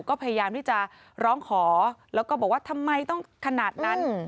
ก็พยายามที่จะร้องขอแล้วก็บอกว่าทำไมต้องขนาดนั้น